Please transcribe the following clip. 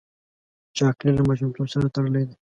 چاکلېټ له ماشومتوب سره تړلی دی.